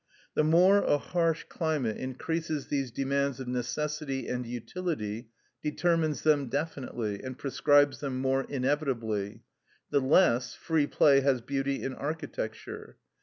The more a harsh climate increases these demands of necessity and utility, determines them definitely, and prescribes them more inevitably, the less free play has beauty in architecture.